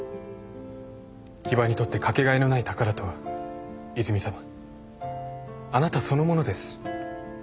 木場にとって掛け替えのない宝とは泉さまあなたそのものです。